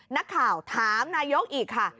นักข่าวถามนายกอีกค่ะ